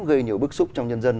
gây nhiều bức xúc trong nhân dân